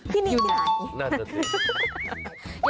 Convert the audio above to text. ที่นี่อยู่นี่ไงนั่นนะเต้น